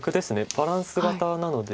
バランス型なので。